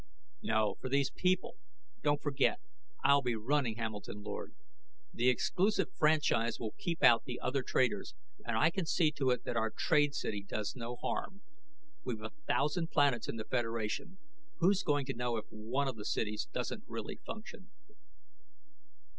"No, for these people. Don't forget, I'll be running Hamilton Lord. The exclusive franchise will keep out the other traders, and I can see to it that our trade city does no harm. We've a thousand planets in the Federation; who's going to know if one of the cities doesn't really function?"